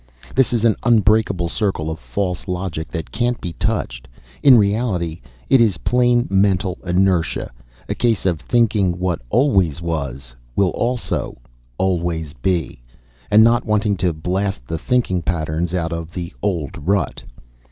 This is an unbreakable circle of false logic that can't be touched. In reality, it is plain mental inertia. A case of thinking 'what always was' will also 'always be.' And not wanting to blast the thinking patterns out of the old rut.